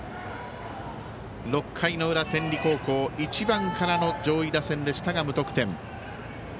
６回の裏、天理高校１番からの上位打線でしたが無得点。